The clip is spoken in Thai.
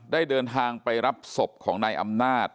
ได้เดินทางไปรับศพของนายอำนาจ